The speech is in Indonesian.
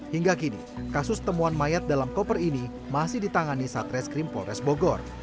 hingga kini kasus temuan mayat dalam koper ini masih ditangani satreskrim polres bogor